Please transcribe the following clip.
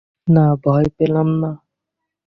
না, ভয় পেলাম না।